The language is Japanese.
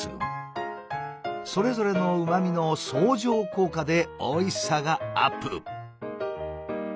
それぞれのうまみの相乗効果でおいしさがアップ。